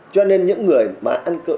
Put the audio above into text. cho nên những người mà ăn cơm